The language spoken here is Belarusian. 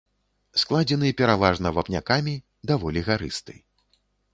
Складзены пераважна вапнякамі, даволі гарысты.